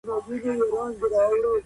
څوک د انتقالي عدالت غوښتنه کوي؟